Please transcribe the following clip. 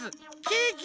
ケーキ。